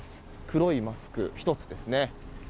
黒いマスク１つですね。